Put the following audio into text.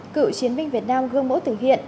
cựu chiến binh việt nam gương mẫu thực hiện